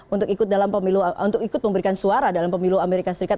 untuk ikut dalam pemilu untuk ikut memberikan suara dalam pemilu amerika serikat